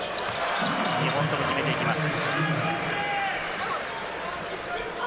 ２本とも決めていきます。